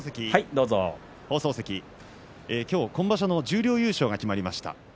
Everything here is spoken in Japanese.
今日、今場所の新十両優勝が決まりました。